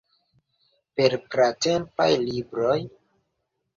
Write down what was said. Per pratempaj libroj?